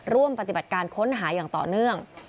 ร่วมปฏิบัติการค้นหาอย่างต่อเนื่อง